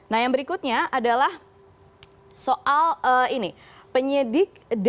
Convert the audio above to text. nah yang berikutnya adalah soal penyelidik